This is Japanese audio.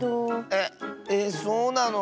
えっえそうなの？